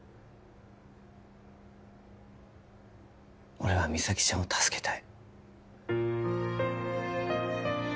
俺は実咲ちゃんを助けたい